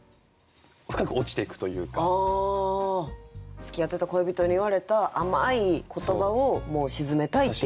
つきあってた恋人に言われた甘い言葉をもう沈めたいっていう。